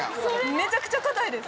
めちゃくちゃ硬いです。